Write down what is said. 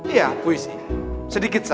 iya puisi sedikit saja